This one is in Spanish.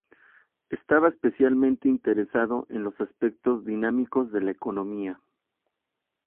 Estaba especialmente interesado en los aspectos dinámicos de la economía.